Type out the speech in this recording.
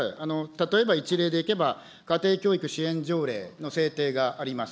例えば一例でいけば、家庭教育支援条例の制定があります。